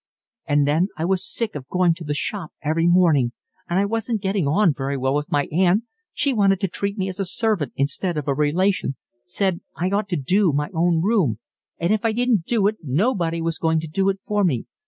And then I was sick of going to the shop every morning, and I wasn't getting on very well with my aunt; she wanted to treat me as a servant instead of a relation, said I ought to do my own room, and if I didn't do it nobody was going to do it for me.